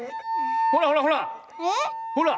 ほらほらほら！